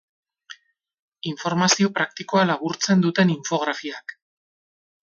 Informazio praktikoa laburtzen duten infografiak.